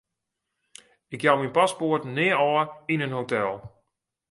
Ik jou myn paspoart nea ôf yn in hotel.